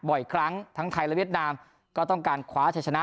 บ่อยครั้งทั้งไทยและเวียดนามก็ต้องการคว้าชัยชนะ